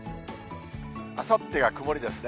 あさってが曇りですね。